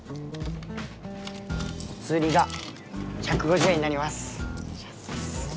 おつりが１５０円になります。